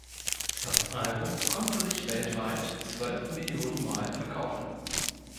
Das Album konnte sich weltweit zwölf Millionen Mal verkaufen.